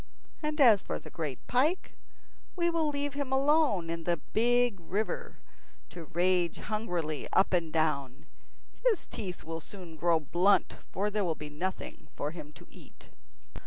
And as for the great pike, we will leave him alone in the big river to rage hungrily up and down. His teeth will soon grow blunt, for there will be nothing for him to eat."